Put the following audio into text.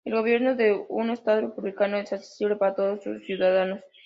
El gobierno de un Estado republicano es accesible para "todos" sus ciudadanos.